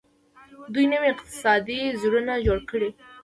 دوی نوي اقتصادي زونونه جوړ کړي دي.